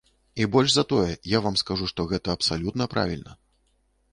І больш за тое, я вам скажу, што гэта абсалютна правільна.